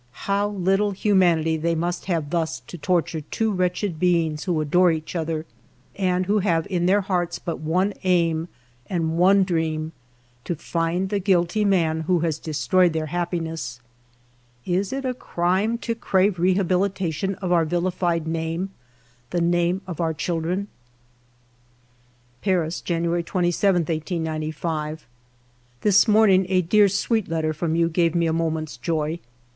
How little humanity they must have thus to torture two wretched beings who adore each other and who have in their hearts but one aim and one dream, — to find the guilty man who has destroyed their happiness ! Is it a crime to crave rehabilitation of our vilified name, the name of our children ?"Paris, January 27, 1895. " This morning a dear, sweet letter from you gave me a moment's joy.